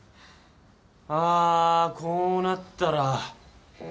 あこうなったら。